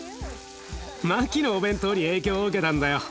マキのお弁当に影響を受けたんだよ。